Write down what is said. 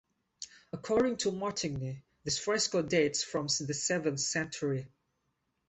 According to Martigny, this fresco dates from the seventh century.